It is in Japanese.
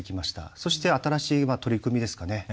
そして新しい取り組みですかね。